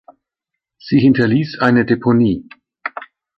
Sie hinterließ eine Deponie.